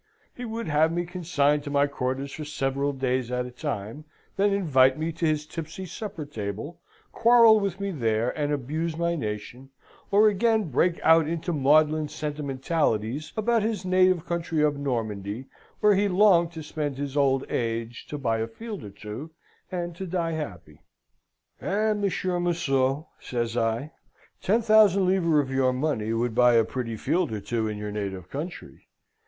He would have me consigned to my quarters for several days at a time; then invite me to his tipsy supper table, quarrel with me there, and abuse my nation; or again break out into maudlin sentimentalities about his native country of Normandy, where he longed to spend his old age, to buy a field or two, and to die happy. "'Eh, Monsieur Museau!' says I, 'ten thousand livres of your money would buy a pretty field or two in your native country?